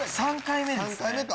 ３回目ですね。